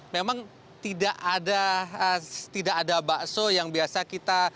memang tidak ada bakso yang biasa kita